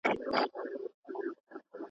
منتظر د خپل رویبار یو ګوندي راسي ,